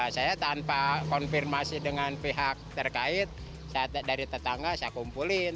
saya tanpa konfirmasi dengan pihak terkait dari tetangga saya kumpulin